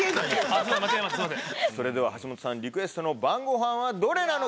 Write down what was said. それでは橋本さんリクエストの晩ごはんはどれなのか？